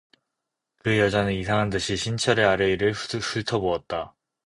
그 여자는 이상한 듯이 신철의 아래위를 훑어보았다.